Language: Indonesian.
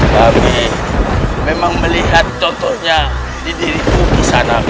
kami memang melihat contohnya di diriku di sana